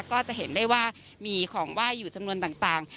ก็จะเห็นได้ว่ามีของไหว้อยู่จำนวนต่าง